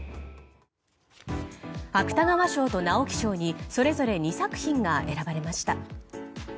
芥川賞と直木賞にそれぞれ２作品が選ばれました。